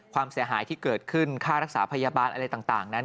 ความเสียหายที่เกิดขึ้นค่ารักษาพยาบาลอะไรต่างนั้น